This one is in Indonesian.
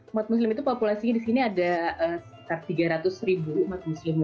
umat muslim itu populasinya di sini ada sekitar tiga ratus ribu umat muslim